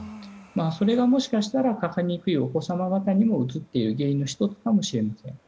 それが、もしかしたらかかりにくいお子様方にもうつっている原因の１つかもしれません。